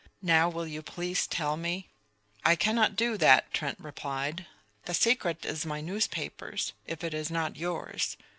Now will you please tell me?" "I cannot do that," Trent replied. "The secret is my newspaper's, if it is not yours.